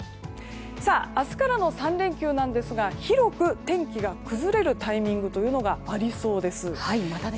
明日からの３連休なんですが広く天気が崩れるタイミングがありそうです。